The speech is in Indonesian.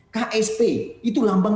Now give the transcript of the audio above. ksp itu lambang